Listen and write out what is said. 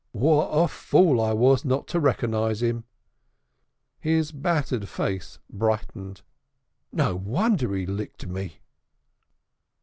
What a fool I was not to rekkernize 'im!" His battered face brightened up. "No wonder he licked me!"